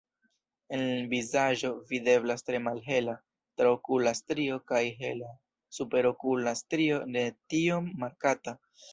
En vizaĝo videblas tre malhela traokula strio kaj hela superokula strio ne tiom markata.